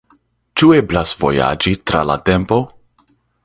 Ĉu eblas vojaĝi tra la tempo?